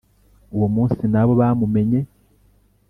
uwo munsi na bo bamumenye.